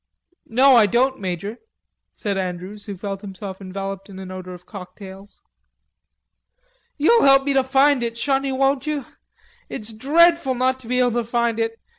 "No, I don't, Major," said Andrews, who felt himself enveloped in an odor of cocktails. "You'll help me to find it, shonny, won't you?... It's dreadful not to be able to find it....